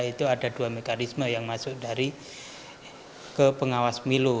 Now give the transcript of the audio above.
itu ada dua mekanisme yang masuk dari ke pengawas milu